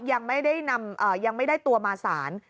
ยังไม่ได้นำอ่ายังไม่ได้ตัวมาสาร